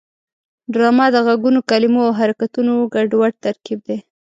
ډرامه د غږونو، کلمو او حرکتونو ګډوډ ترکیب دی